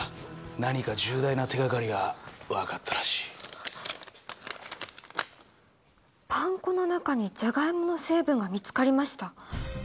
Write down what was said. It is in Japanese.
何か重大な手がかりが分かったらパン粉の中にジャガイモの成分が見つかりました。